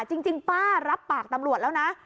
จริงป้ารับปากตำรวจแล้วนะ